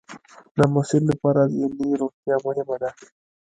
د محصل لپاره ذهني روغتیا مهمه ده.